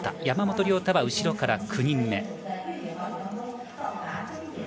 山本涼太は後ろから９人目。